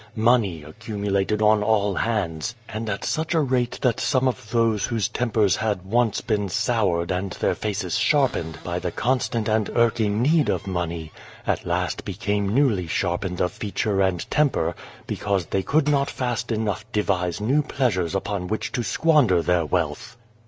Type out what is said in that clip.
Money accumulated on all hands, and at such a rate that some of those whose tempers had once been soured and their faces sharpened by the constant and irking need of money, at last became newly sharpened of feature and temper, because they could not fast enough devise new pleasures upon which to squander their wealth.